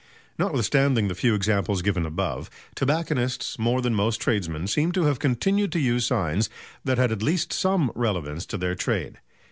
Notwithstanding the few examples given above, tobacconists, more than most tradesmen, seem to have continued to use signs that had at least some relevance to their trade.